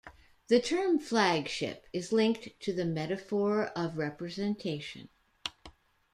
The term flagship is linked to the metaphor of representation.